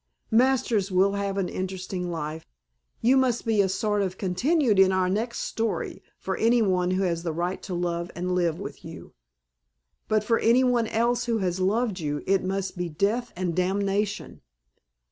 Masters will have an interesting life. You must be a sort of continued in our next story for any one who has the right to love and live with you. But for any one else who has loved you it must be death and damnation."